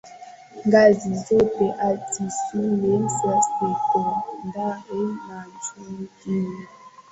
ngazi zote hadi shule za sekondari na chuo kikuu